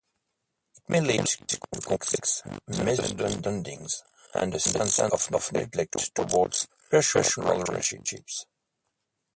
It may lead to conflicts, misunderstandings, and a sense of neglect towards personal relationships.